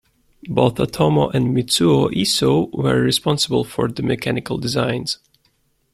Both Otomo and Mitsuo Iso were responsible for the mechanical designs.